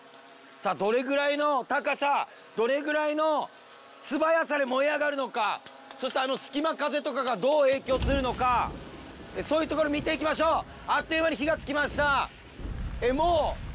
さあどれぐらいの高さどれぐらいの素早さで燃え上がるのかそしてあのすき間風とかがどう影響するのかそういうところ見ていきましょうあっという間に火がつきました